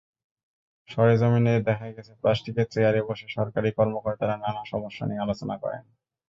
সরেজমিনে দেখা গেছে, প্লাস্টিকের চেয়ারে বসে সরকারি কর্মকর্তারা নানা সমস্যা নিয়ে আলোচনা করেন।